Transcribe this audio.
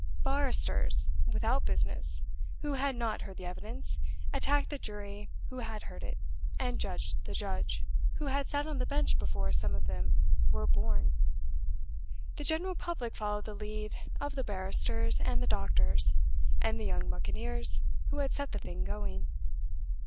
Barristers without business, who had not heard the evidence, attacked the jury who had heard it, and judged the judge, who had sat on the bench before some of them were born. The general public followed the lead of the barristers and the doctors, and the young buccaneers who had set the thing going.